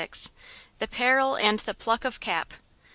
THE PERIL AND THE PLUCK OF CAP.